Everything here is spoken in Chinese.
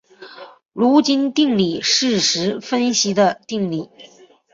卢津定理是实分析的定理。